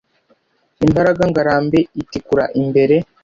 imbaraga Ngarambe itikura imbere